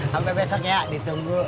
sampai besok ya ditunggu